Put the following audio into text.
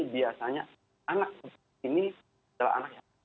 biasanya anak seperti ini adalah anak yang